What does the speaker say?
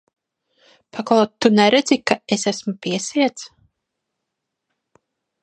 Paklau, tu neredzi, ka es esmu piesiets?